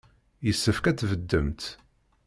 Yessefk ad tbeddemt.